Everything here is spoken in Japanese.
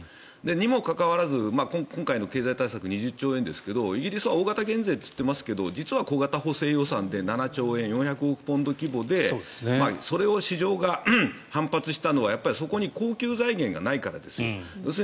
にもかかわらず今回の経済対策は２０兆円ですけどイギリスは大型減税と言っていますが実は小型補正予算で７兆円４００億ポンド規模でそれを市場が反発したのはそこに恒久財源がないからです。